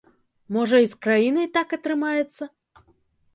Можа, і з краінай так атрымаецца?